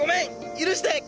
許して。